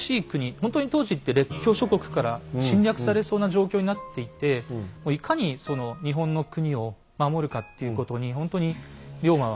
本当に当時って列強諸国から侵略されそうな状況になっていてもういかにその日本の国を守るかっていうことにほんとに龍馬は。